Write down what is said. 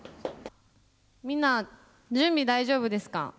みんな準備大丈夫ですか？